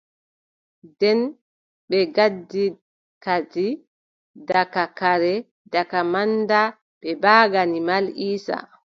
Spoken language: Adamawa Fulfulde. Nden ɓe gaddi kadi daga kare, daga manda, ɓe mbaagani Mal Iiisa.